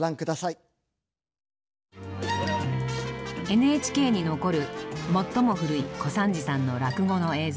ＮＨＫに残る最も古い小三治さんの落語の映像。